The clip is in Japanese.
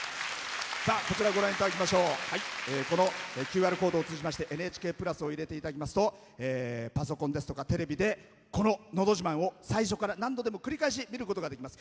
こちら、このＱＲコードを通じまして「ＮＨＫプラス」を入れていただきますとパソコンやテレビでこの「ＮＨＫのど自慢」を最初から何度でも繰り返し見ることができます。